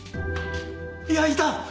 いやいた！